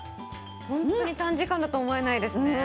本当に短時間だと思えないですね。